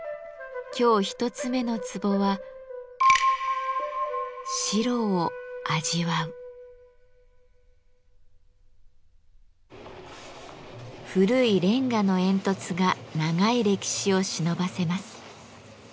今日一つ目のツボは古いレンガの煙突が長い歴史をしのばせます。